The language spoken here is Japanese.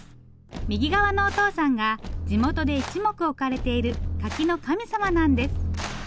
右側のお父さんが地元で一目置かれている柿の神様なんです。